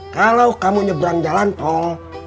kalau kamu nyebrang jalan tol